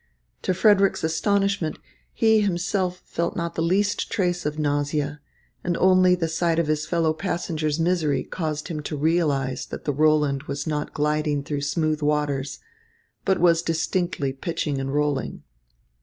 To Frederick's astonishment, he himself felt not the least trace of nausea, and only the sight of his fellow passengers' misery caused him to realise that the Roland was not gliding through smooth waters, but was distinctly pitching and rolling.